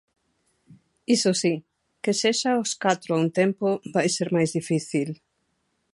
Iso si, que sexa os catro a un tempo, vai ser máis difícil.